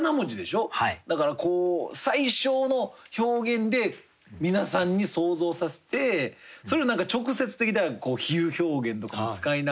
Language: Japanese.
だからこう最少の表現で皆さんに想像させてそれを何か直接的な比喩表現とか使いながら。